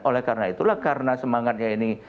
oleh karena itulah karena semangatnya ini